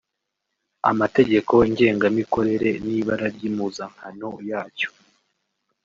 amategeko ngengamikorere n’ibara ry’impuzankano yacyo